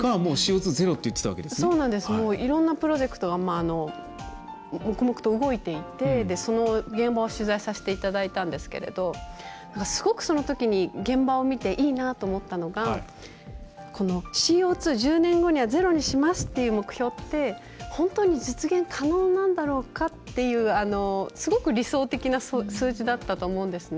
もういろんなプロジェクト黙々と動いていてその現場を取材させていただいたんですがすごく、そのときに現場を見ていいなと思ったのがＣＯ２、１０年後にはゼロにしますっていう目標って本当に実現可能なんだろうかっていうすごく理想的な数字だったと思うんですね。